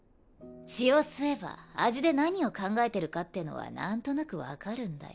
血を吸えば味で何を考えてるかってのは何となく分かるんだよ。